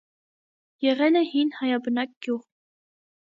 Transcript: Եղել է հին հայաբնակ գյուղ։